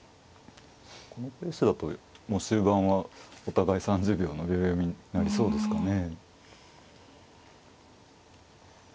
このペースだともう終盤はお互い３０秒の秒読みになりそうですかね。